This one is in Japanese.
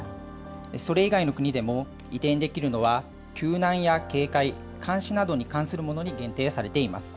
それ以外の国でも、移転できるのは救難や警戒、監視などに関するものに限定されています。